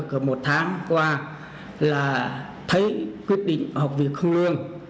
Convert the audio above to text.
còn một tháng qua là thấy quyết định học việc không lương